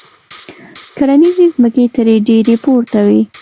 کرنیزې ځمکې ترې ډېرې پورته وې.